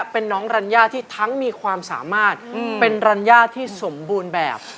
เป็นรัญญาที่สมบูรณ์แบบ